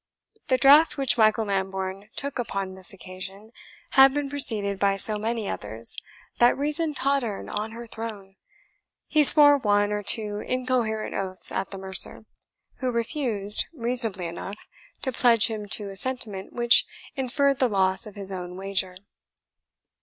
The draught which Michael Lambourne took upon this occasion had been preceded by so many others, that reason tottered on her throne. He swore one or two incoherent oaths at the mercer, who refused, reasonably enough, to pledge him to a sentiment which inferred the loss of his own wager.